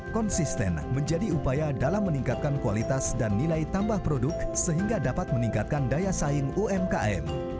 konsisten menjadi upaya dalam meningkatkan kualitas dan nilai tambah produk sehingga dapat meningkatkan daya saing umkm